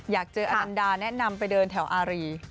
อยากเจออนันดาแนะนำไปเดินแถวอารี